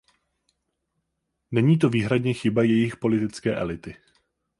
Není to výhradně chyba jejich politické elity.